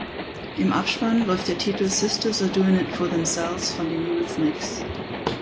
Im Abspann läuft der Titel Sisters Are Doin’ It for Themselves von den Eurythmics.